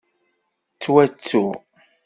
Ttwattuɣ.